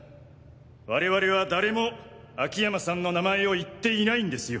我々は誰も秋山さんの名前を言っていないんですよ。